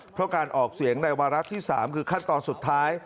เพราะการออกเสียงในวาระที่๓คือขั้นตอนสุดท้าย